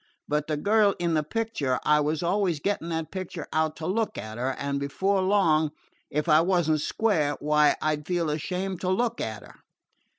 But the girl in the picture: I was always getting that picture out to look at her, and before long, if I was n't square why, I felt ashamed to look at her.